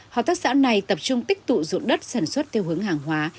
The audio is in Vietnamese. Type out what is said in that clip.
hợp tác xã này tập trung tích tụ dụng đất sản xuất theo hướng hàng hóa